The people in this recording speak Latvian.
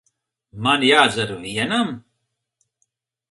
Man jādzer vienam?